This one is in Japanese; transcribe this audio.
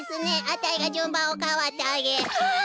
あたいがじゅんばんをかわってあげハッ！